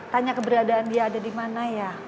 tanya keberadaan dia ada dimana ya